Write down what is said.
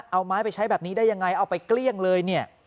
เอาไม้ไปใช้แบบนี้ได้ยังไงเอาไปเกลี้ยงเลยเนี่ย